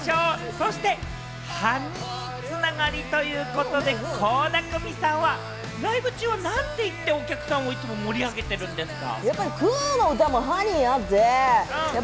そして、「ハニー」つながりということで倖田來未さんはライブ中は何て言ってお客さんをいつも盛り上げてるんですか？